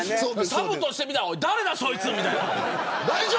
サブとして見たら誰だ、そいつみたいな。